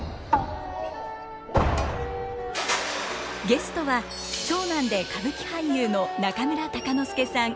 ゲストは長男で歌舞伎俳優の中村鷹之資さん。